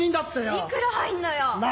いくら入んのよ？なぁ！